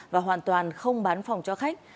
và hoàn toàn không bán phòng cho khách